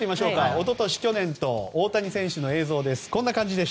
一昨年、去年と大谷選手の映像です。